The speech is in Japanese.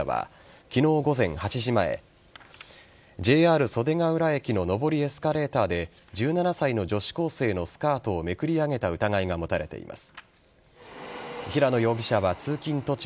千葉県の総合企画部の職員平野達也容疑者は昨日午前８時前ＪＲ袖ケ浦駅の上りエスカレーターで１７歳の女子高生のスカートをめくり上げた疑いが持たれています。